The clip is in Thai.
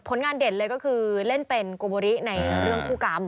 งานเด่นเลยก็คือเล่นเป็นโกโบริในเรื่องคู่กรรม